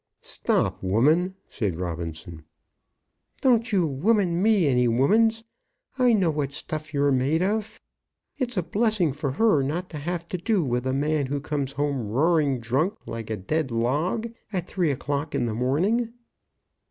"Stop, woman," said Robinson. "Don't you woman me any womans. I know what stuff you're made off. It's a blessing for her not to have to do with a man who comes home roaring drunk, like a dead log, at three o'clock in the morning."